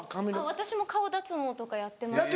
私も顔脱毛とかやってます。